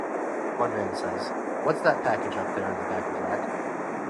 One man says, What's that package up there in the baggage rack?